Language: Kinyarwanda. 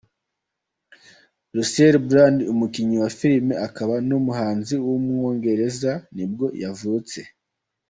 Russell Brand, umukinnyi wa filime akaba n’umuhanzi w’umwongereza nibwo yavutse.